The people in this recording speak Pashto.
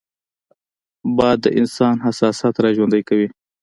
باد د انسان احساسات راژوندي کوي